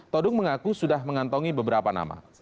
todung mengaku sudah mengantongi beberapa nama